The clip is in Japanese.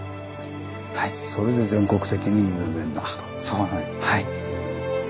そうなんですはい。